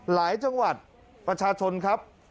หลายจังหวัดประชาชนครับ